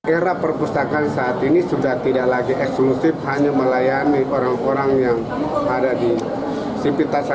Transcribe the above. era perpustakaan saat ini sudah tidak lagi eksklusif hanya melayani orang orang yang ada di sipitalisasi